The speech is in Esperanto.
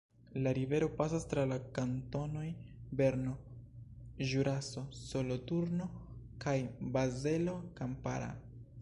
La rivero pasas tra la kantonoj Berno, Ĵuraso, Soloturno kaj Bazelo Kampara.